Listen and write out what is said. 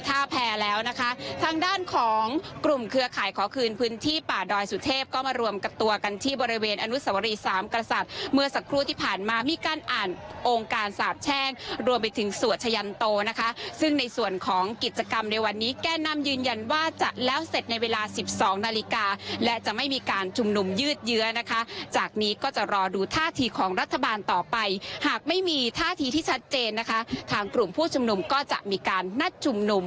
ถ้าแพ้แล้วนะคะทางด้านของกลุ่มเครือข่ายขอคืนพื้นที่ป่าดอยสุเทพก็มารวมกับตัวกันที่บริเวณอนุสวรีสามกษัตริย์เมื่อสักครู่ที่ผ่านมามีการอ่านองค์การสาบแช่งรวมไปถึงสวชยันโตนะคะซึ่งในส่วนของกิจกรรมในวันนี้แก้นำยืนยันว่าจะแล้วเสร็จในเวลาสิบสองนาฬิกาและจะไม่มีการจุ่มหนุ่ม